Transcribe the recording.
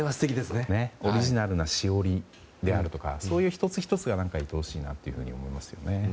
オリジナルなしおりだとかそういう１つ１つがいとおしいなと思いますね。